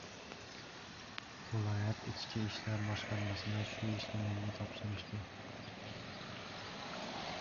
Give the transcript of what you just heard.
— Viloyat ichki ishlar boshqarmasida shu ishni menga topshirishdi.